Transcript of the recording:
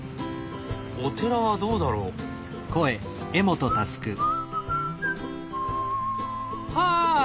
お寺はどうだろう？はあ！